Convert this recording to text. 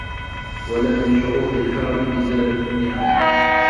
وَلَا مِنْ شُرُوطِ الْكَرَمِ إزَالَةُ النِّعَمِ